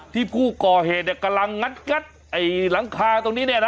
ที่ผู้ก่อเหตุกำลังงัดหลังคาตรงนี้